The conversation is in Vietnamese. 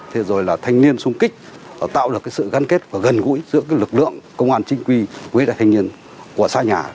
thế rồi là thanh niên sung kích tạo được sự gắn kết và gần gũi giữa lực lượng công an chính quy quế đại thanh niên của xã nhà